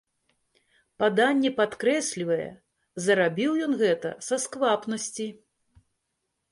Паданне падкрэслівае, зарабіў ён гэта са сквапнасці.